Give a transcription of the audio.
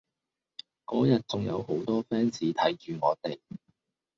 嗰日仲有好多 fans 睇住我哋